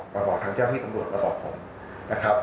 มาบอกทางเจ้าที่ตำรวจมาบอกผมนะครับ